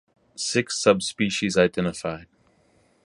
Six subspecies identified.